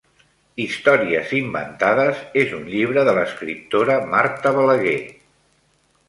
Històries inventades és un llibre de l'escriptora Marta Balaguer